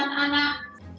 kita bisa menyikulkan anak